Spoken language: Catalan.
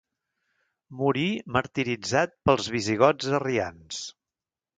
Morí martiritzat pels visigots arrians.